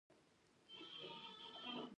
په اکثرو مواردو کې له واقعیت سره سر نه خوري.